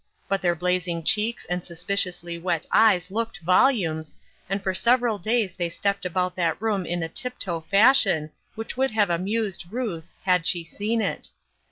But their blazing cheeks and suspiciously wet eyes looked volumes, and for several days the} stepped about that room in a tiptoe fashion which would have amused Ruth, had she seen it.